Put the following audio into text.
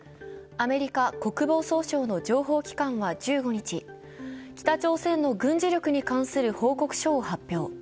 アメリカ国防総省の情報機関は１５日、北朝鮮の軍事力に関する報告書を発表。